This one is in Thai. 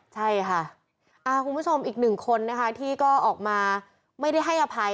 ใช่ค่ะคุณผู้ชมอีกหนึ่งคนนะคะที่ก็ออกมาไม่ได้ให้อภัย